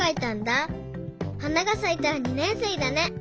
はながさいたら２ねんせいだね。